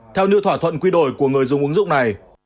theo như thỏa thuận quy đổi của người dùng ứng dụng này